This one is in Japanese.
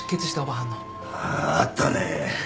あああったね。